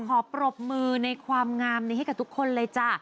ขอปรบมือในความงามนี้ให้กับทุกคนเลยจ้ะ